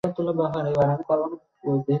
আমি এখনও তোমায় খুব ভালোবাসি!